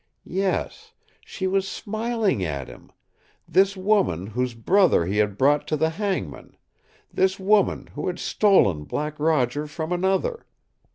Yes, SHE WAS SMILING AT HIM this woman whose brother he had brought to the hangman, this woman who had stolen Black Roger from another!